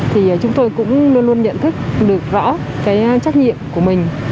thì chúng tôi cũng luôn luôn nhận thức được rõ cái trách nhiệm của mình